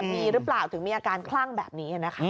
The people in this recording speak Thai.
มีหรือเปล่าถึงมีอาการคลั่งแบบนี้นะคะ